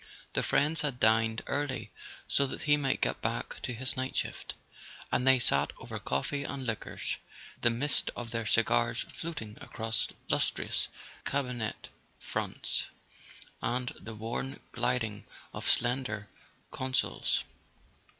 The friends had dined early, so that he might get back to his night shift; and they sat over coffee and liqueurs, the mist of their cigars floating across lustrous cabinet fronts and the worn gilding of slender consoles.